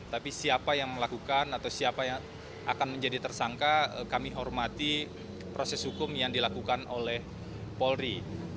tapi siapa yang melakukan atau siapa yang akan menjadi tersangka kami hormati proses hukum yang dilakukan oleh polri